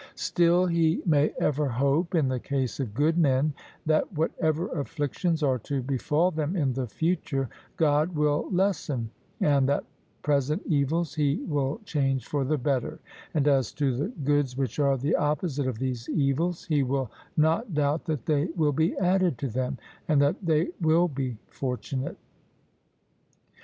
Still he may ever hope, in the case of good men, that whatever afflictions are to befall them in the future God will lessen, and that present evils He will change for the better; and as to the goods which are the opposite of these evils, he will not doubt that they will be added to them, and that they will be fortunate.